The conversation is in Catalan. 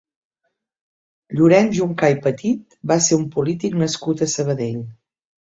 Llorenç Juncà i Petit va ser un polític nascut a Sabadell.